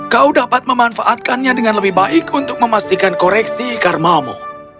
kau dapat memanfaatkannya dengan lebih baik untuk memastikan koreksi karmamu